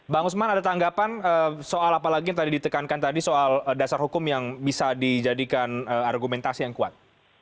bang usman ada tanggapan soal apalagi yang tadi ditekankan tadi soal dasar hukum yang bisa dijadikan argumentasi yang kuat